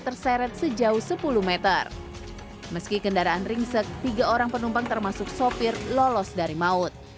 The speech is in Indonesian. terseret sejauh sepuluh m meski kendaraan ringsek tiga orang penumpang termasuk sopir lolos dari maut